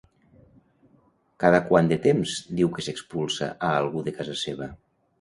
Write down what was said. Cada quant de temps diu que s'expulsa a algú de casa seva?